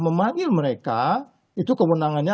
memanggil mereka itu kewenangannya